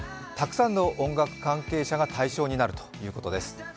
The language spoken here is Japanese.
たくさんの音楽関係者が対象になるということです。